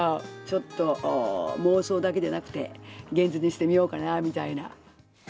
ちょっと妄想だけじゃなくて、現実にしてみようかなみたいな。